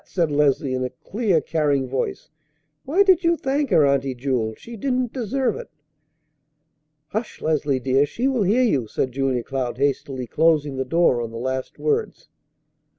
said Leslie in a clear, carrying voice. "Why did you thank her, Auntie Jewel? She didn't deserve it." "Hush, Leslie, dear! She will hear you!" said Julia Cloud, hastily closing the door on the last words.